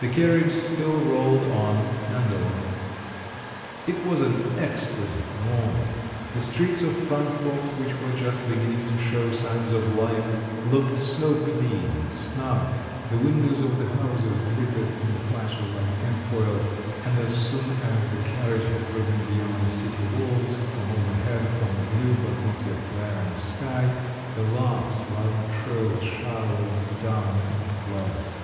The carriage still rolled on and on. It was an exquisite morning. The streets of Frankfort, which were just beginning to show signs of life, looked so clean and snug; the windows of the houses glittered in flashes like tinfoil; and as soon as the carriage had driven beyond the city walls, from overhead, from a blue but not yet glaring sky, the larks' loud trills showered down in floods.